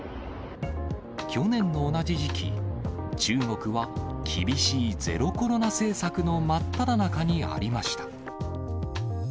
去年の同じ時期、中国は厳しいゼロコロナ政策の真っただ中にありました。